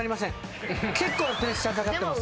結構なプレッシャーかかってます。